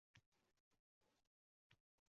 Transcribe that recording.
U juda ko’p xatolar qiladi.